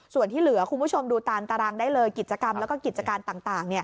ส่วนที่เหลือคุณผู้ชมดูตามตารางได้เลยกิจกรรมแล้วก็กิจการต่าง